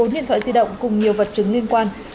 một mươi bốn điện thoại di động cùng nhiều vật chứng liên quan